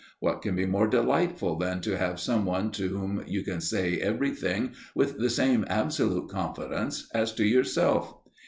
What can be more delightful than to have some one to whom you can say everything with the same absolute confidence as to yourself?